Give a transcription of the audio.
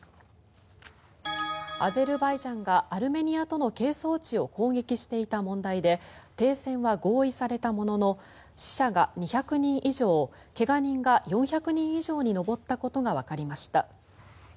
アゼルバイジャンがアルメニアとの係争地を攻撃していた問題で停戦は合意されたものの死者が２００人以上怪我人が４００人以上に上ったことがわかりました。